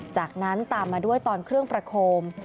จากนั้นตามมาด้วยตอนเครื่องประโคม